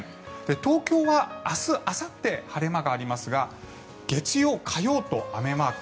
東京は明日あさって晴れ間がありますが月曜、火曜と雨マーク。